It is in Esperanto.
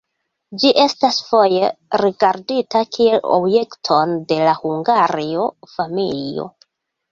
Ĝi estas foje rigardita kiel objekton de la Hungaria familio.